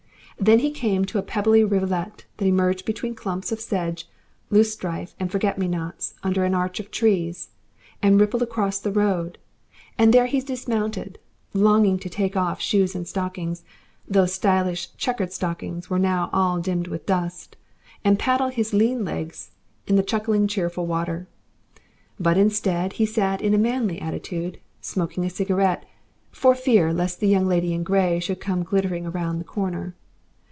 Then he came to a pebbly rivulet that emerged between clumps of sedge loosestrife and forget me nots under an arch of trees, and rippled across the road, and there he dismounted, longing to take off shoes and stockings those stylish chequered stockings were now all dimmed with dust and paddle his lean legs in the chuckling cheerful water. But instead he sat in a manly attitude, smoking a cigarette, for fear lest the Young Lady in Grey should come glittering round the corner.